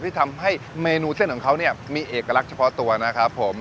ที่ทำให้เมนูเส้นของเขาเนี่ยมีเอกลักษณ์เฉพาะตัวนะครับผม